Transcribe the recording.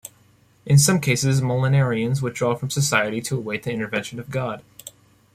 In some cases, millenarians withdraw from society to await the intervention of God.